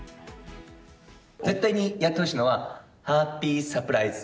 絶対にやってほしいのは、ハッピーサプライズ。